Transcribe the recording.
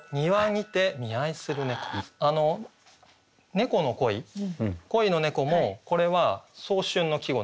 「猫の恋」「恋の猫」もこれは早春の季語なんです。